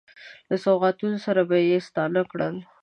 له سوغاتونو سره به یې ستانه کړل.